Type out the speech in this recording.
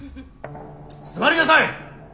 座りなさい！